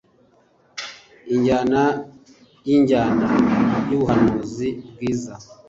Injyana yinjyana yubuhanuzi bwiza